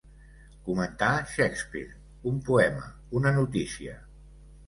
Comentar Shakespeare, un poema, una notícia.